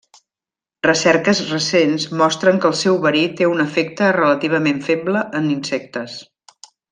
Recerques recents mostren que el seu verí té un efecte relativament feble en insectes.